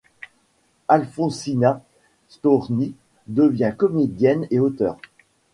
Alfonsina Storni devient comédienne et auteur.